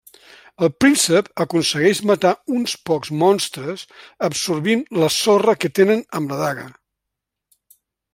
El Príncep aconsegueix matar uns pocs monstres absorbint la sorra que tenen amb la daga.